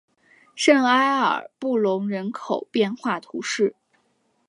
圣埃尔布隆人口变化图示